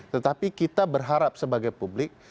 tetapi kita berharap sebagai publik